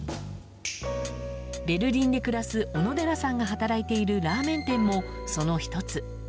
ベルリンで暮らす小野寺さんが働いているラーメン店も、その１つ。